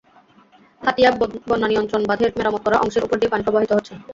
হাতিয়া বন্যানিয়ন্ত্রণ বাঁধের মেরামত করা অংশের ওপর দিয়ে পানি প্রবাহিত হচ্ছে।